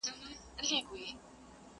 ښار به ډک وي له زلمیو له شملو او له بګړیو!!